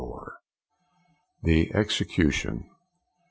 THE EXECUTION.